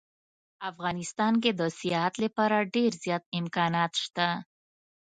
افغانستان کې د سیاحت لپاره ډیر زیات امکانات شته